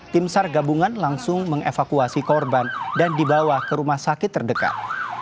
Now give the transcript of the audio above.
tim sar gabungan langsung mengevakuasi korban dan dibawa ke rumah sakit terdekat